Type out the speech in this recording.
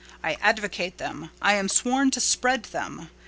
I advocate them: I am sworn to spread them.